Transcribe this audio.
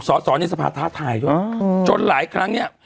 สอนในสภาษาไทยจนหลายครั้งเนี้ย